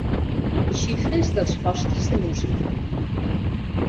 Xifres dels postres de músic.